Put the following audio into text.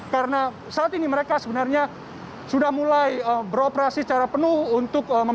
karena saat ini mereka sebenarnya sudah mulai beroperasi secara penuh untuk memaksa